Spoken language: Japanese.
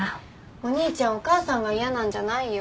お兄ちゃんお母さんが嫌なんじゃないよ。